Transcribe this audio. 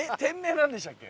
なんでしたっけ？